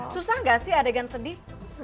susah nggak sih adegan sedih